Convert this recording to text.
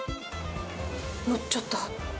のっちゃった。